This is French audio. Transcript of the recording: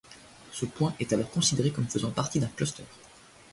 Ce point est alors considéré comme faisant partie d'un cluster.